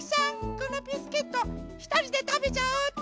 このビスケットひとりでたべちゃおうっと。